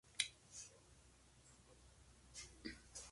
The Strongest logró ganar todos sus partidos y hacerse con el Torneo.